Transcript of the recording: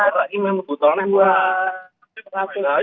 di rumah sakit islam weleri